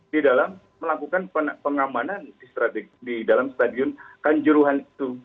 di dalam melakukan pengamanan di dalam stadion kanjuruhan itu